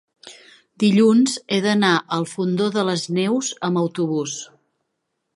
Dilluns he d'anar al Fondó de les Neus amb autobús.